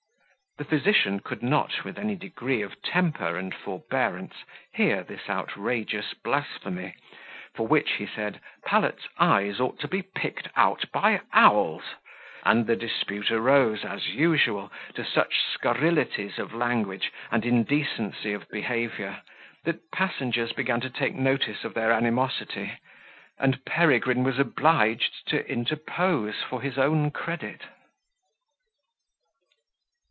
The physician could not, with any degree of temper and forbearance, hear this outrageous blasphemy, for which, he said, Pallet's eyes ought to be picked out by owls; and the dispute arose, as usual, to such scurrilities of language, and indecency of behaviour, that passengers began to take notice of their animosity, and Peregrine was obliged to interpose for his own credit.